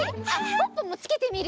ポッポもつけてみる？